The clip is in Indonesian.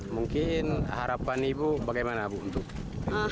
mungkin harapan ibu bagaimana ibu untuk jalan ini